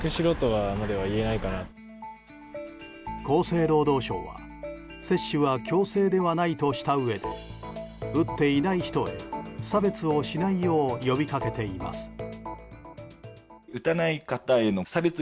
厚生労働省は接種は強制ではないとしたうえで打っていない人へ差別をしないよう呼びかけています。